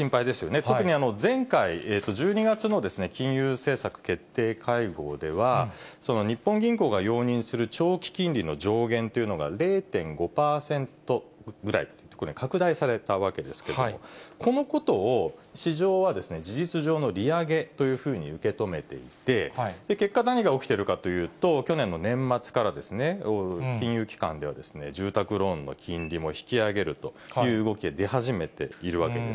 特に前回１２月の金融政策決定会合では、日本銀行が容認する長期金利の上限というのが、０．５％ぐらいに拡大されたわけですけれども、このことを市場は事実上の利上げというふうに受け止めていて、結果、何が起きてるかというと、去年の年末から、金融機関では、住宅ローンの金利も引き上げるという動きが出始めているわけです。